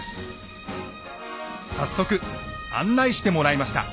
早速案内してもらいました。